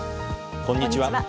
こんにちは。